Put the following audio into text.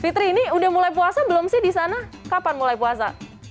fitri ini udah mulai puasa belum sih di sana kapan mulai puasa